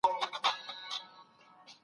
ته باید له خپلو تېروتنو څخه زده کړه وکړې.